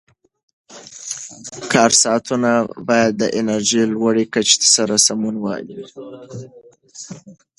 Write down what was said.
کار ساعتونه باید د انرژۍ لوړې کچې سره سمون ولري.